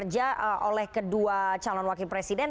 program kerja oleh kedua calon wakil presiden